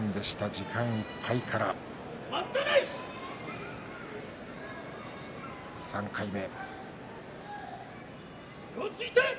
時間いっぱいから３回目。